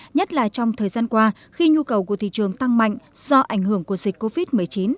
nhất là trong thời gian qua khi nhu cầu của thị trường tăng mạnh do ảnh hưởng của dịch covid một mươi chín